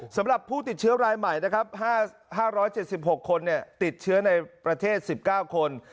สำหรับผู้ติดเชื้อรายใหม่นะครับ๕๗๖คนติดเชื้อในประเทศ๑๙คน